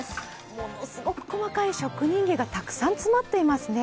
ものすごく細かい職人芸がたくさん詰まっていますね。